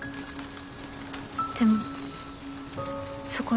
でもそこで。